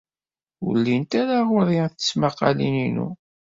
Ur llint ara ɣer-i tesmaqqalin-inu.